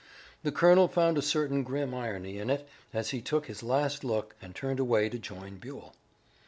The colonel found a certain grim irony in it as he took his last look and turned away to join Buell.